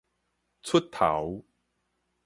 出頭